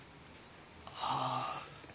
ああ。